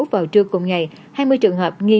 vào trưa cùng ngày hai mươi trường hợp nghi